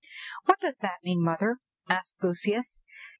'" "What does that mean, mother?" ashed Lucius.